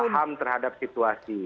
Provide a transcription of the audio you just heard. paham terhadap situasi